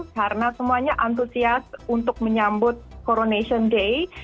karena semuanya antusias untuk menyambut coronation day